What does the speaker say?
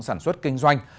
sản xuất kinh doanh